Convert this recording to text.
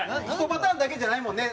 １パターンだけじゃないもんね。